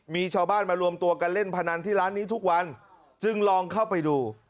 มีชาวบ้านมารวมตัวกันเล่นพนันที่ร้านนี้ทุกวันจึงลองเข้าไปดู